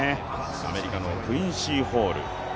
アメリカのクインシー・ホール。